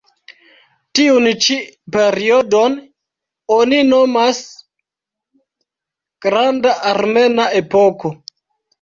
Tiun ĉi periodon oni nomas "Granda Armena Epoko".